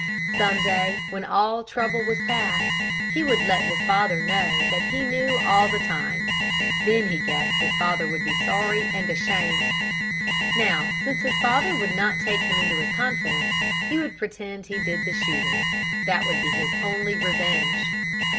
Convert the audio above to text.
Some day, when all trouble was past, he would let his father know that he knew all the time. Then he guessed his father would be sorry and ashamed. Now, since his father would not take him into his confidence, he would not pretend he did the shooting. That would be his only revenge.